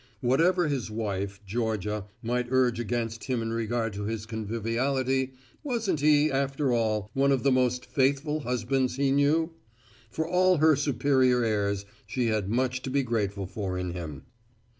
Whatever his wife, Georgia, might urge against him in regard to his conviviality, wasn't he, after all, one of the most faithful husbands he knew? For all her superior airs, she had much to be grateful for in him.